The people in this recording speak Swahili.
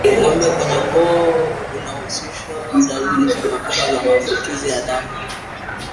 Uvimbe kwenye koo unaohusishwa na dalili za mapema za maambukizi ya damu